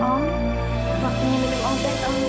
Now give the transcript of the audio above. waktunya minum ompet om